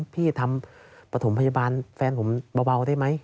พี่ทำปฐมพยาบาลแฟนผมเบาได้ไหม